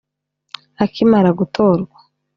akimara gutorwa